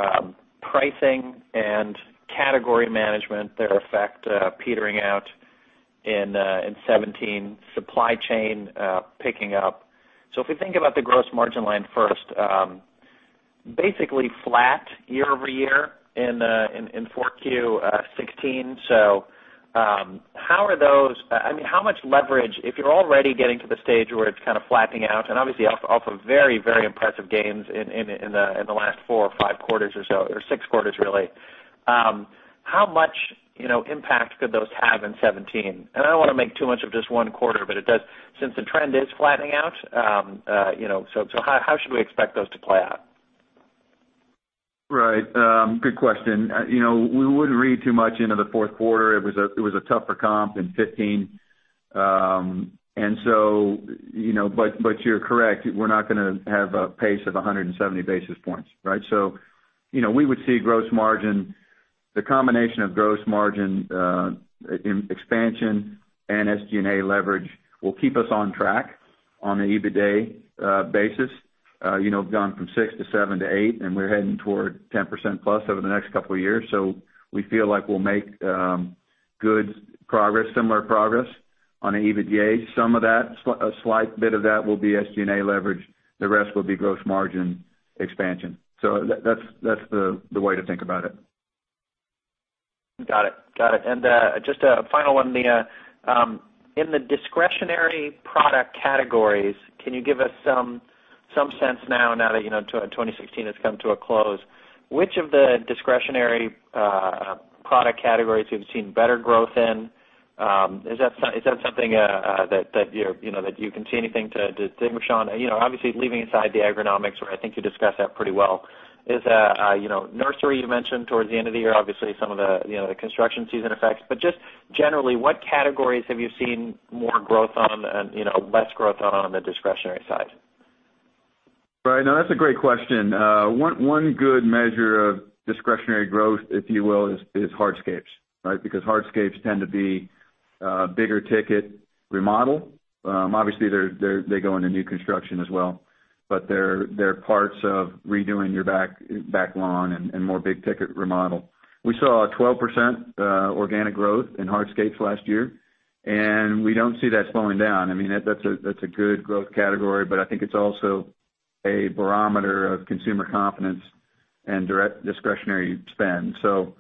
pricing and category management, their effect petering out in 2017, supply chain picking up. If we think about the gross margin line first, basically flat year-over-year in 4Q 2016. How much leverage, if you're already getting to the stage where it's kind of flattening out and obviously off of very, very impressive gains in the last four or five quarters or so, or six quarters really, how much impact could those have in 2017? I don't want to make too much of just one quarter, but since the trend is flattening out, how should we expect those to play out? Right. Good question. We wouldn't read too much into the fourth quarter. It was a tougher comp in 2015. You're correct, we're not going to have a pace of 170 basis points, right? We would see gross margin, the combination of gross margin expansion and SG&A leverage will keep us on track on the EBITDA basis. We've gone from six to seven to eight, and we're heading toward 10% plus over the next couple of years. We feel like we'll make good progress, similar progress on the EBITDA. A slight bit of that will be SG&A leverage. The rest will be gross margin expansion. That's the way to think about it. Got it. Just a final one. In the discretionary product categories, can you give us some sense now that 2016 has come to a close, which of the discretionary product categories you've seen better growth in? Is that something that you can see anything to distinguish on? Obviously leaving aside the agronomics, where I think you discussed that pretty well, nursery you mentioned towards the end of the year, obviously some of the construction season effects, generally, what categories have you seen more growth on and less growth on the discretionary side? Right. No, that's a great question. One good measure of discretionary growth, if you will, is hardscapes. Hardscapes tend to be bigger ticket remodel. Obviously they go into new construction as well, but they're parts of redoing your back lawn and more big ticket remodel. We saw a 12% organic growth in hardscapes last year. We don't see that slowing down. That's a good growth category, I think it's also a barometer of consumer confidence and discretionary spend. The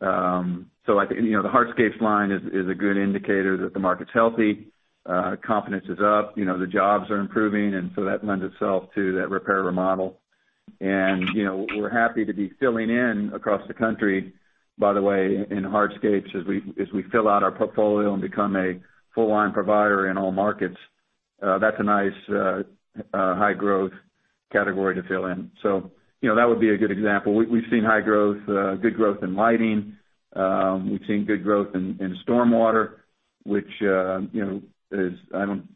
hardscapes line is a good indicator that the market's healthy. Confidence is up. The jobs are improving, that lends itself to that repair, remodel. We're happy to be filling in across the country, by the way, in hardscapes as we fill out our portfolio and become a full line provider in all markets. That's a nice high growth category to fill in. That would be a good example. We've seen high growth, good growth in lighting. We've seen good growth in stormwater, which I don't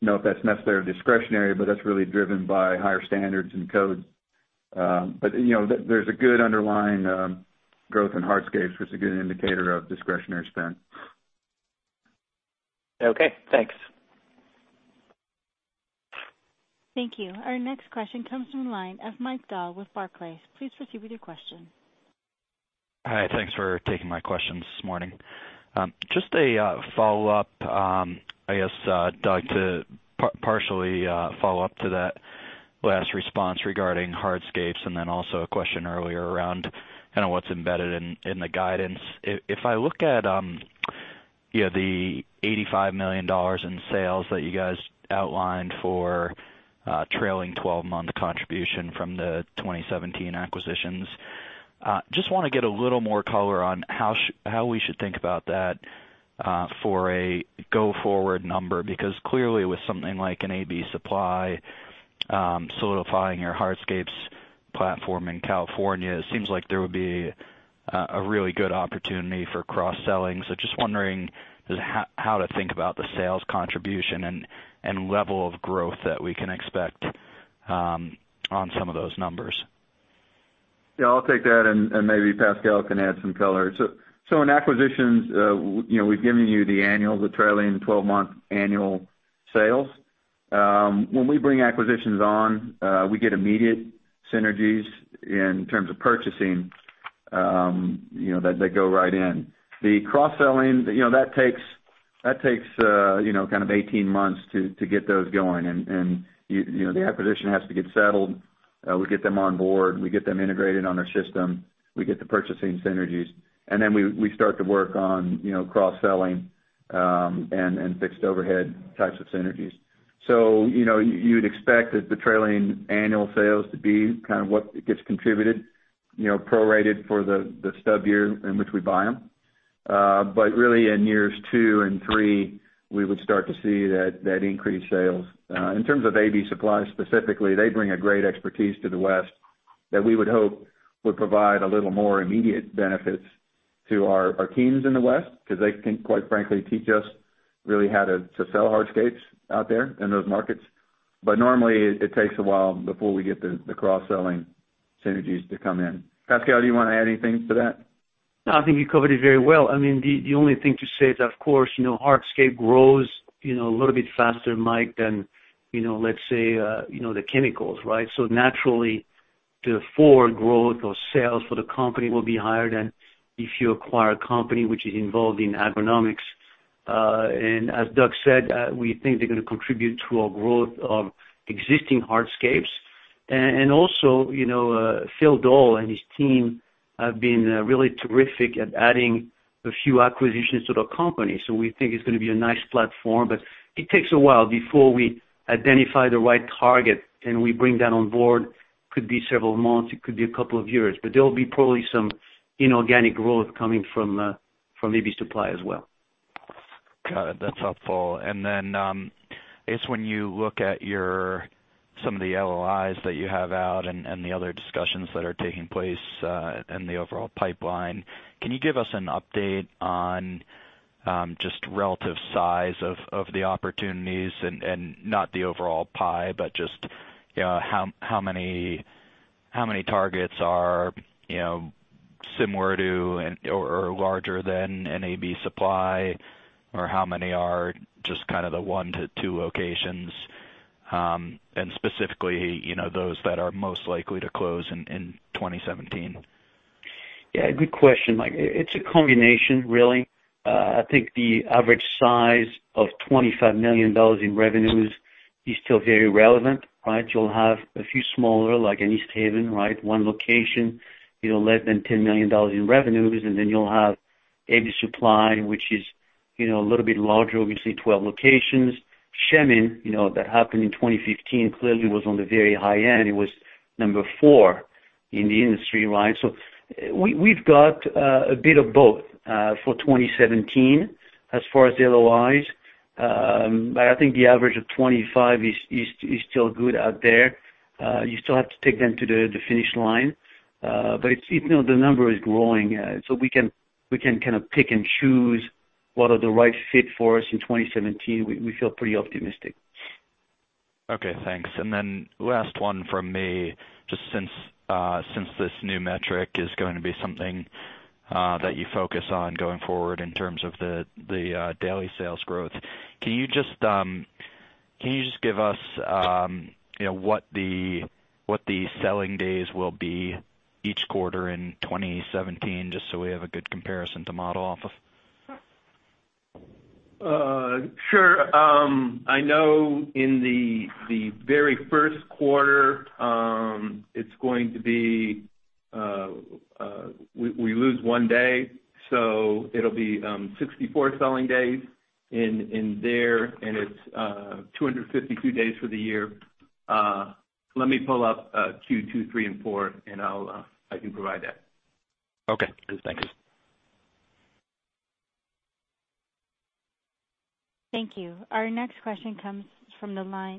know if that's necessarily discretionary. That's really driven by higher standards and codes. There's a good underlying growth in hardscapes, which is a good indicator of discretionary spend. Okay, thanks. Thank you. Our next question comes from the line of Mike Dahl with Barclays. Please proceed with your question. Hi, thanks for taking my questions this morning. Just a follow-up, I guess, Doug, to partially follow up to that last response regarding hardscapes, and then also a question earlier around what's embedded in the guidance. If I look at the $85 million in sales that you guys outlined for trailing 12-month contribution from the 2017 acquisitions, just wondering how to think about that for a go-forward number. Because clearly, with something like an AB Supply solidifying your hardscapes platform in California, it seems like there would be a really good opportunity for cross-selling. Just wondering how to think about the sales contribution and level of growth that we can expect on some of those numbers. Yeah, I'll take that, and maybe Pascal can add some color. In acquisitions, we've given you the annual, the trailing 12-month annual sales. When we bring acquisitions on, we get immediate synergies in terms of purchasing that go right in. The cross-selling, that takes kind of 18 months to get those going. The acquisition has to get settled. We get them on board, we get them integrated on our system, we get the purchasing synergies, then we start to work on cross-selling and fixed overhead types of synergies. You would expect that the trailing annual sales to be kind of what gets contributed, prorated for the stub year in which we buy them. Really, in years two and three, we would start to see that increased sales. In terms of AB Supply specifically, they bring a great expertise to the West that we would hope would provide a little more immediate benefits to our teams in the West, because they can, quite frankly, teach us really how to sell hardscapes out there in those markets. Normally, it takes a while before we get the cross-selling synergies to come in. Pascal, do you want to add anything to that? No, I think you covered it very well. I mean, the only thing to say is, of course hardscape grows a little bit faster, Mike, than let's say the chemicals, right? Naturally, the forward growth or sales for the company will be higher than if you acquire a company which is involved in agronomics. As Doug said, we think they're going to contribute to our growth of existing hardscapes. Also Phil Doll and his team have been really terrific at adding a few acquisitions to the company. We think it's going to be a nice platform, but it takes a while before we identify the right target, and we bring that on board. Could be several months, it could be a couple of years, but there'll be probably some inorganic growth coming from AB Supply as well. Got it. That's helpful. I guess when you look at some of the LOIs that you have out and the other discussions that are taking place in the overall pipeline, can you give us an update on just relative size of the opportunities and not the overall pie, but just how many targets are similar to or larger than an AB Supply, or how many are just kind of the one to two locations, and specifically, those that are most likely to close in 2017? Yeah, good question, Mike. It's a combination, really. I think the average size of $25 million in revenues is still very relevant, right? You'll have a few smaller, like an East Haven, right? One location, less than $10 million in revenues. You'll have AB Supply, which is a little bit larger, obviously, 12 locations. Shemin, that happened in 2015, clearly was on the very high end. It was number four in the industry, right? We've got a bit of both for 2017 as far as LOIs. I think the average of 25 is still good out there. You still have to take them to the finish line. The number is growing. We can kind of pick and choose what are the right fit for us in 2017. We feel pretty optimistic. Okay, thanks. Last one from me, just since this new metric is going to be something that you focus on going forward in terms of the daily sales growth. Can you just give us what the selling days will be each quarter in 2017, just so we have a good comparison to model off of? Sure. I know in the very first quarter, we lose one day, so it'll be 64 selling days in there, and it's 252 days for the year. Let me pull up Q2, three, and four. I can provide that. Okay, cool. Thanks. Thank you.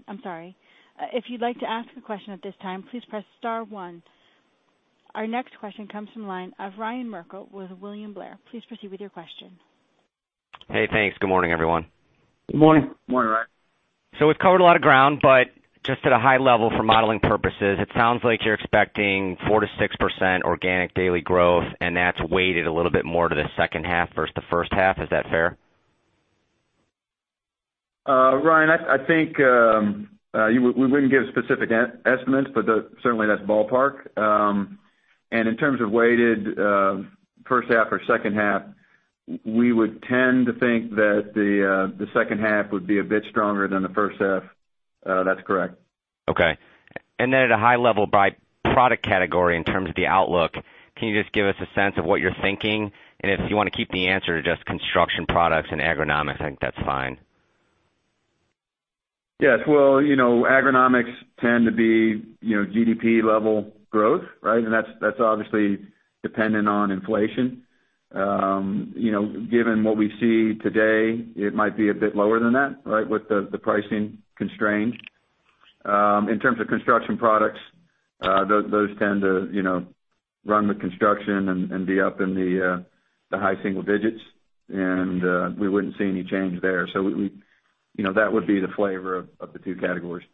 I'm sorry. If you'd like to ask a question at this time, please press star one. Our next question comes from the line of Ryan Merkel with William Blair. Please proceed with your question. Hey, thanks. Good morning, everyone. Good morning. Morning, Ryan. We've covered a lot of ground, but just at a high level for modeling purposes, it sounds like you're expecting 4%-6% organic daily growth, and that's weighted a little bit more to the second half versus the first half. Is that fair? Ryan, I think we wouldn't give specific estimates, but certainly that's ballpark. In terms of weighted first half or second half, we would tend to think that the second half would be a bit stronger than the first half. That's correct. Okay. At a high level by product category, in terms of the outlook, can you just give us a sense of what you're thinking? If you want to keep the answer to just construction products and agronomics, I think that's fine. Yes. Well, agronomics tend to be GDP level growth, right? That's obviously dependent on inflation. Given what we see today, it might be a bit lower than that, right? With the pricing constrained. In terms of construction products, those tend to run with construction and be up in the high single digits, and we wouldn't see any change there. That would be the flavor of the two categories.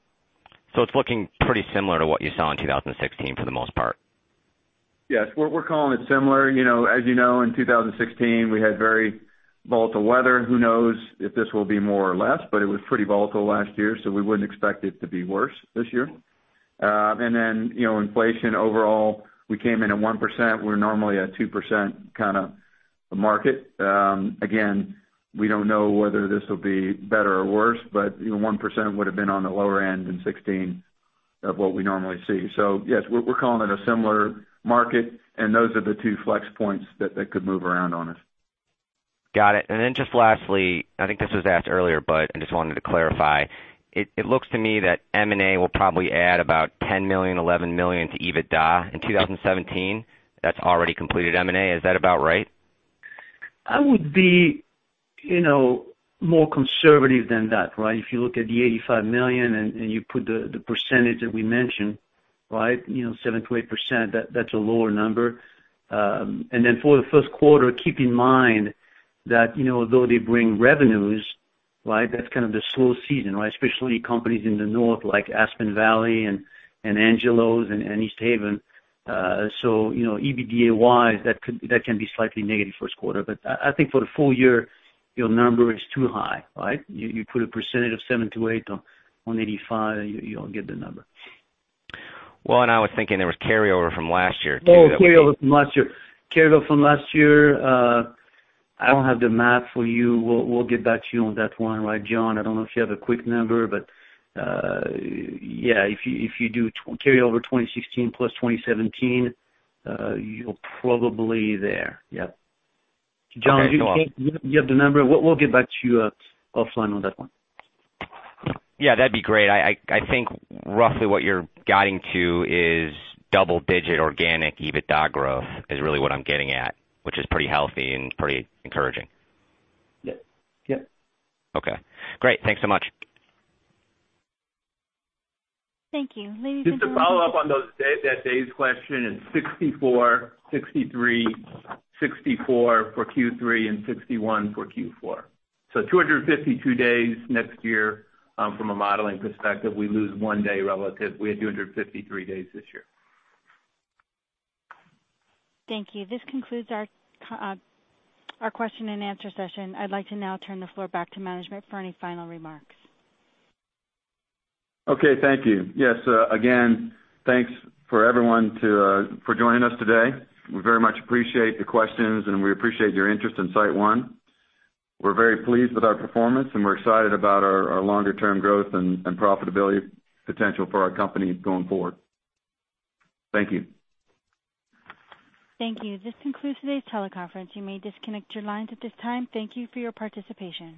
It's looking pretty similar to what you saw in 2016 for the most part? Yes. We're calling it similar. As you know, in 2016, we had very volatile weather. Who knows if this will be more or less, but it was pretty volatile last year, we wouldn't expect it to be worse this year. Inflation overall, we came in at 1%. We're normally a 2% kind of market. Again, we don't know whether this will be better or worse, but 1% would've been on the lower end in 2016 of what we normally see. Yes, we're calling it a similar market, and those are the two flex points that could move around on us. Got it. Lastly, I think this was asked earlier, but I just wanted to clarify. It looks to me that M&A will probably add about $10 million-$11 million to EBITDA in 2017. That's already completed M&A. Is that about right? I would be more conservative than that, right? If you look at the $85 million and you put the percentage that we mentioned, right? 7%-8%, that's a lower number. For the first quarter, keep in mind that although they bring revenues, right? That's kind of the slow season, right? Especially companies in the north like Aspen Valley and Angelo's and East Haven. EBITDA-wise, that can be slightly negative first quarter. I think for the full year, your number is too high, right? You put a percentage of 7-8 on $85, you'll get the number. I was thinking there was carryover from last year, too. Carryover from last year. Carryover from last year, I don't have the math for you. We'll get back to you on that one, right, John? I don't know if you have a quick number, but yeah, if you do carryover 2016 plus 2017, you're probably there. Yep. Okay, cool. John, do you have the number? We'll get back to you offline on that one. Yeah, that'd be great. I think roughly what you're guiding to is double-digit organic EBITDA growth, is really what I'm getting at, which is pretty healthy and pretty encouraging. Yep. Okay, great. Thanks so much. Thank you. Ladies and gentlemen. Just a follow-up on that days' question, it's 64, 63, 64 for Q3, and 61 for Q4. 252 days next year from a modeling perspective. We lose one day relative. We had 253 days this year. Thank you. This concludes our question and answer session. I'd like to now turn the floor back to management for any final remarks. Okay. Thank you. Again, thanks for everyone for joining us today. We very much appreciate the questions, and we appreciate your interest in SiteOne. We're very pleased with our performance, and we're excited about our longer-term growth and profitability potential for our company going forward. Thank you. Thank you. This concludes today's teleconference. You may disconnect your lines at this time. Thank you for your participation